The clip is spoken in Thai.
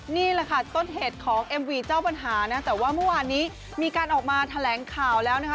นี่แหละค่ะต้นเหตุของเอ็มวีเจ้าปัญหานะแต่ว่าเมื่อวานนี้มีการออกมาแถลงข่าวแล้วนะคะ